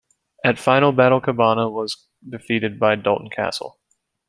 At Final Battle Cabana was defeated by Dalton Castle.